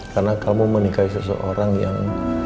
karena kamu menikahi seseorang yang